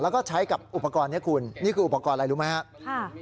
แล้วก็ใช้กับอุปกรณ์นี้คุณนี่คืออุปกรณ์อะไรรู้ไหมครับ